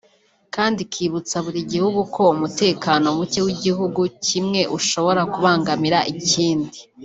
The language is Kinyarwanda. kandi ikibutsa buri gihugu ko umutekano mucye w’igihugu kimwe ushobora kubangamira ikindi